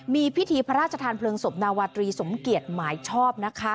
มีพิธีพระราชทานเพลิงศพนาวาตรีสมเกียจหมายชอบนะคะ